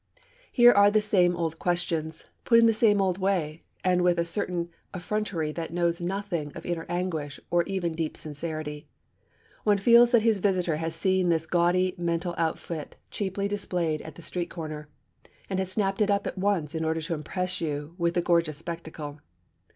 Here are the same old questions, put in the same old way, and with a certain effrontery that knows nothing of inner anguish or even deep sincerity. One feels that his visitor has seen this gaudy mental outfit cheaply displayed at the street corner, and has snapped it up at once in order to impress you with the gorgeous spectacle.